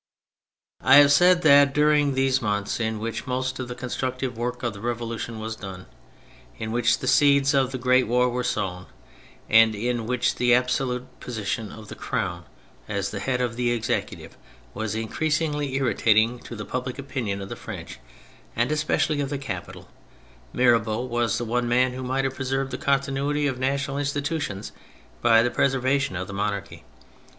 I have said that during these months in which most of the constructive work of the Revolution was done, in which the seeds of the great war were sown, and in which the absolute position of the Crown as the head of the Executive was increasingly irritating to the public opinion of the French, and especi ally of the capital, Mirabeau was the one man who might have preserved the continuity of national institutions by the preservation of the monarchy.